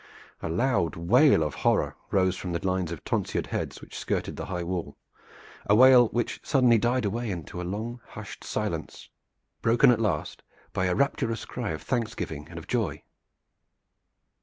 A loud wail of horror rose from the lines of tonsured heads which skirted the high wall a wail which suddenly died away into a long hushed silence, broken at last by a rapturous cry of thanksgiving and of joy.